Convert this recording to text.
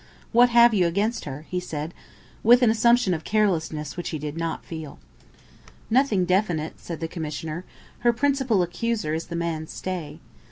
"What have you against her?" he said, with an assumption of carelessness which he did not feel. "Nothing definite," said the Commissioner. "Her principal accuser is the man Stay.